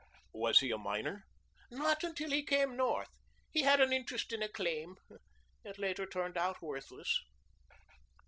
"Was he a miner?" "Not until he came North. He had an interest in a claim. It later turned out worthless."